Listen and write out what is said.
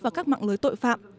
và các mạng lưới tội phạm